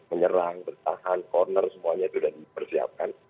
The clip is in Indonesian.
menyerang bertahan corner semuanya itu sudah dipersiapkan